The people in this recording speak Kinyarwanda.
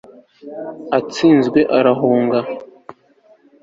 atsinzwe arahunga